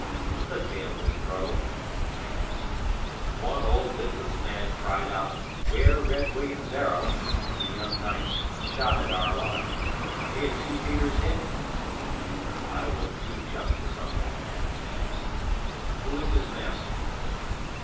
'"The tale has grown," I answered. "One old witless man cried out, ''Ware Red William's arrow,' when the young knights shot at our line. We had two beaters hit." '"I will do justice on that man," he answered. "Who is his master?"